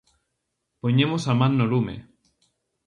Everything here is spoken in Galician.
Poñemos a man no lume.